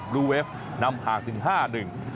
บลูเวฟนำห่างถึง๕๑